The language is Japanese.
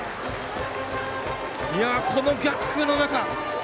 この逆風の中。